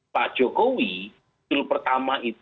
pak jokowi dulu pertama itu